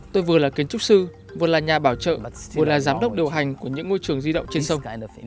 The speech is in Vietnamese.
tôi vừa là kiến trúc sư vừa là nhà bảo trợ vừa là giám đốc điều hành của những ngôi trường di động trên sông